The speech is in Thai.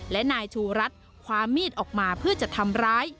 และนายชูรัฐคว้ามีดออกมาเพื่อจะทำร้าย